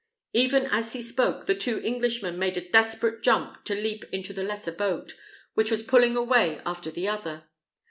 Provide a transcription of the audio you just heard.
Even as he spoke, the two Englishmen made a desperate jump to leap into the lesser boat, which was pulling away after the other.